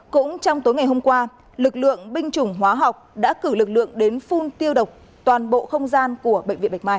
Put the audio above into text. cũng trong tối ngày hôm qua lực lượng binh chủng hóa học đã cử lực lượng đến phun tiêu độc toàn bộ không gian của bệnh viện bạch mai